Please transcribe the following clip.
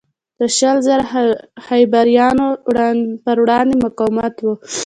د شل زره خیبریانو پروړاندې مقاومت و.